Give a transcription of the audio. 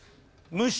無視！